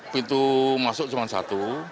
pintu masuk cuma satu